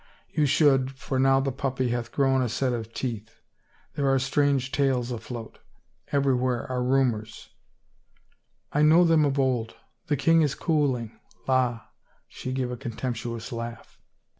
" You should, for now the puppy hath grown a set of teeth. There are strange tales afloat. Everywhere are rumors —"" I know them of old. The king is cooling — la I " she gave a contemptuous laugh.